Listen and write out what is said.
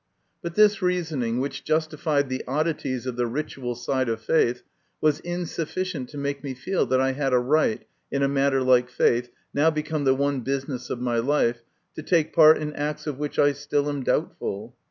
But this reasoning, which justified the oddities of the ritual side of faith, was insufficient to make me feel that I had a right, in a matter like faith, now become the one business of my life, to take part in acts of which I still am doubtful.